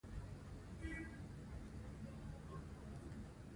موږ باید د چاپېریال ساتنې لپاره عملي ګامونه واخلو